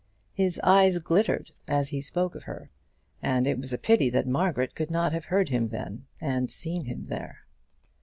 His eyes glittered as he spoke of her, and it was a pity that Margaret could not have heard him then, and seen him there.